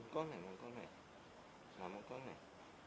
มองก้อนหน่อยมองก้อนหน่อยมามองก้อนหน่อย